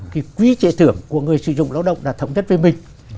cái quý trệ thưởng của người sử dụng lao động là thống nhất với mình